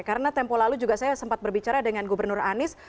karena tempo lalu juga saya sempat berbicara dengan gubernur anies